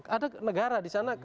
ada negara disana